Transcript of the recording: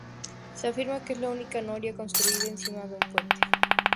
Se afirma que es la única noria construida encima de un puente.